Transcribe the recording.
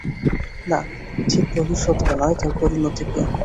না, ঠিক ভবিষ্যৎকে নয়, তার পরিণতিকে।